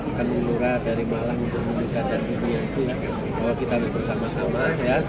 akan melurah dari malam untuk membesar dan bumi yang itu bahwa kita bersama sama